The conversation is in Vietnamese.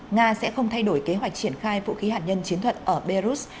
nga sẽ không thay đổi kế hoạch triển khai vũ khí hạt nhân chiến thuật ở belarus